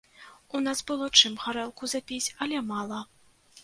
У нас было чым гарэлку запіць, але мала.